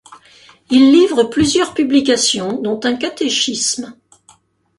Il livre plusieurs publications, dont un catéchisme.